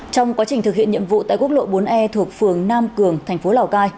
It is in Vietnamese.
trong quá trình thực hiện nhiệm vụ tại quốc lộ bốn e thuộc phường nam cường tp lào cai